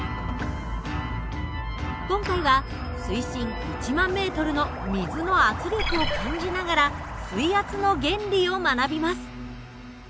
今回は水深１万ｍの水の圧力を感じながら水圧の原理を学びます。